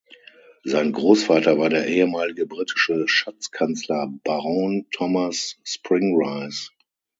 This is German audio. Sein Großvater war der ehemalige britische Schatzkanzler Baron Thomas Spring Rice.